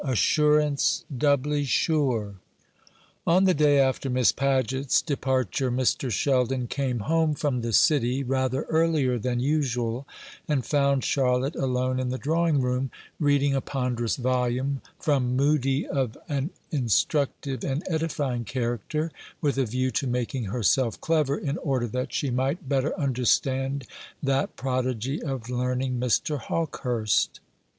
ASSURANCE DOUBLY SURE. On the day after Miss Paget's departure Mr. Sheldon came home from the City rather earlier than usual, and found Charlotte alone in the drawing room, reading a ponderous volume from Mudie of an instructive and edifying character, with a view to making herself clever, in order that she might better understand that prodigy of learning, Mr. Hawkehurst.